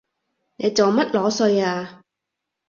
你做乜裸睡啊？